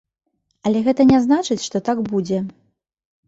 Але гэта не значыць, што так будзе.